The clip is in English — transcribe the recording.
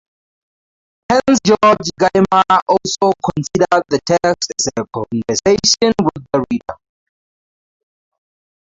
Hans-Georg Gadamer also considered the text as a conversation with the reader.